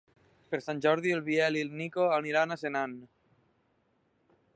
Per Sant Jordi en Biel i en Nico aniran a Senan.